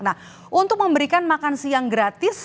nah untuk memberikan makan siang gratis